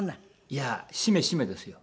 いやしめしめですよ。